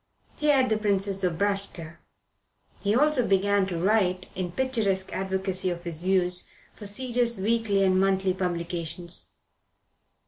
He had the Princess Zobraska. He also began to write, in picturesque advocacy of his views, for serious weekly and monthly publications.